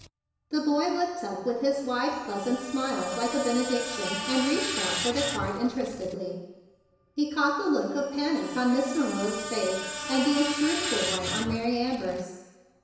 The boy looked up with his wide, pleasant smile like a benediction, and reached out for the card interestedly. He caught the look of panic on Miss Manila's face and the inscrutable one on Mary Amber's.